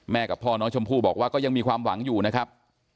กับพ่อน้องชมพู่บอกว่าก็ยังมีความหวังอยู่นะครับ